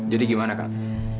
jadi gimana kak